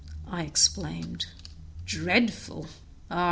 I exclaimed. "Dreadful, ah!